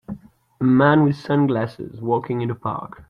A man with sunglasses walking in a park.